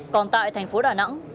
còn tại thành phố đà nẵng